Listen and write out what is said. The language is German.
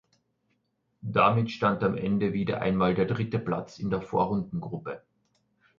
Damit stand am Ende wieder einmal der dritte Platz in der Vorrundengruppe.